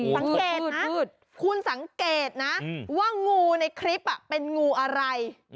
สังเกตนะคุณสังเกตนะว่างูในคลิปเป็นงูอะไร